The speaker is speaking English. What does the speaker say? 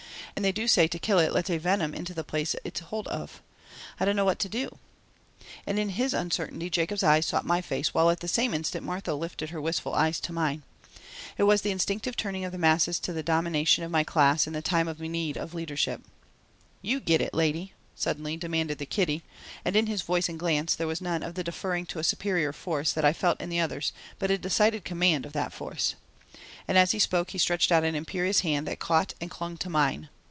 "And they do say to kill it lets a venom into the place it is holt of. I dunno what to do." And in his uncertainty Jacob's eyes sought my face while at the same instant Martha lifted her wistful eyes to mine. It was the instinctive turning of the masses to the domination of my class in the time of need of leadership. "You git it, lady," suddenly demanded the kiddie, and in his voice and glance there was none of the deferring to a superior force that I felt in the others but a decided command of that force. And as he spoke he stretched out an imperious hand that caught and clung to mine.